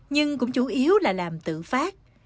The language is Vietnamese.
nhưng cũng chủ yếu là làm tự phát